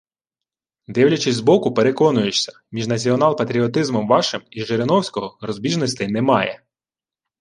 Дивлячись збоку, переконуєшся: між націонал-патріотизмом вашим і Жириновського – розбіжностей немає